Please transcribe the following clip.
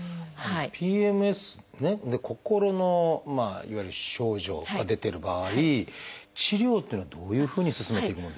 ＰＭＳでね心のいわゆる症状が出てる場合治療っていうのはどういうふうに進めていくものですか？